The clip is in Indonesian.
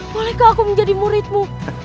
bolehkah aku menjadi muridmu